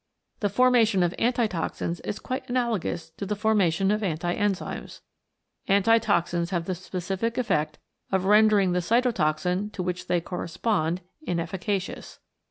The formation of Antitoxins is quite analogous to the formation of anti enzymes. Antitoxins have the specific effect of rendering the Cytotoxin, to which they correspond, inefficacious.